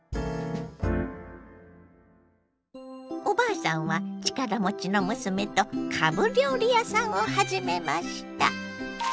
おばあさんは力持ちの娘とかぶ料理屋さんを始めました。